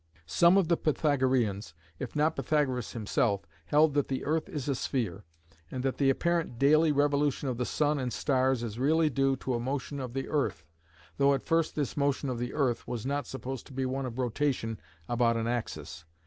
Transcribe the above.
Some of the Pythagoreans, if not Pythagoras himself, held that the earth is a sphere, and that the apparent daily revolution of the sun and stars is really due to a motion of the earth, though at first this motion of the earth was not supposed to be one of rotation about an axis.